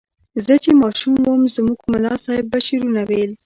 زه چې ماشوم وم زموږ ملا صیب به شعرونه ویل.